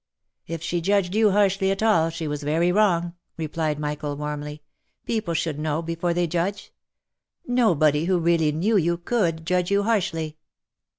" If she judged you harshly at all, she was very wrong," replied Michael, warmly. " People should know, before they judge. No body who really knew you, could judge you harshly."